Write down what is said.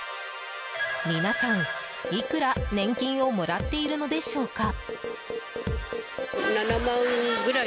皆さん、いくら年金をもらっているのでしょうか。